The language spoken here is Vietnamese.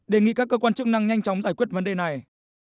đề nghị các cơ quan chức năng nhanh chóng giải quyết vấn đề này